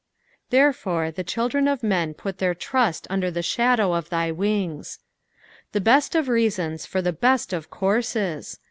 '' Ther^are the ehiidrea of fnen put their triut under the thadow of thy lEM^" The best of reasons for the best of courses.